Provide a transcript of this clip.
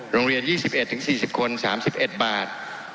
โรงเรียน๒๑๔๐คน๓๑บาท